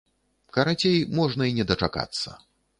Карацей, можна і не дачакацца.